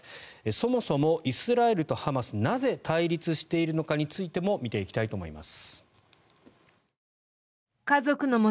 そもそもイスラエルとハマスなぜ対立しているのかについても見ていきたいと思います。